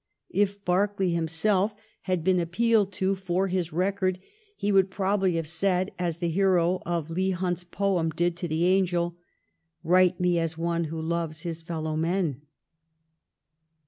If Berkeley himself had been appealed to for his record, he would probably have said, as the hero of Leigh Hunt's poem did to the angel :' Write me as one who loves his fellow men.'